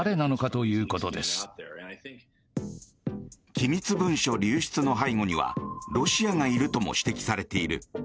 機密文書流出の背後にはロシアがいるとも指摘されている。